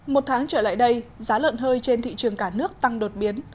một tháng trở lại đây giá lợn hơi trên thị trường cả nước tăng đột biến